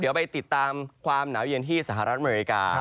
เดี๋ยวไปติดตามความหนาวเย็นที่สหรัฐอเมริกา